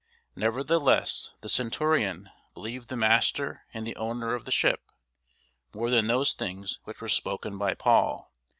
Nevertheless the centurion believed the master and the owner of the ship, more than those things which were spoken by Paul.